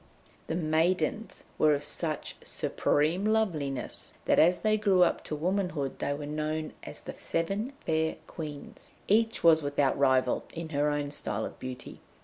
The maidens were of such supreme loveliness that as they grew up to womanhood they were known as the Seven Fair Queens; each was without rival in her own style of beauty.